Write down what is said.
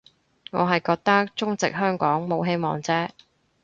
我係覺得中殖香港冇希望啫